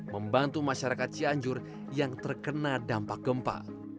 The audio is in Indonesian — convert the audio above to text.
membantu masyarakat cianjur yang terkena dampak gempa